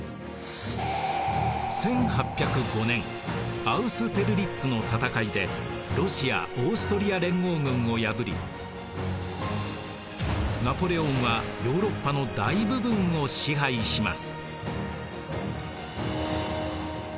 １８０５年アウステルリッツの戦いでロシア・オーストリア連合軍を破りナポレオンはヨーロッパの大部分を支配します。